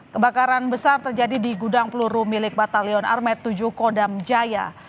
kebakaran besar terjadi di gudang peluru milik batalion armet tujuh kodam jaya